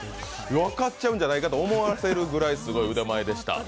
分かっちゃうんじゃないかと思わせるぐらいの腕前でした。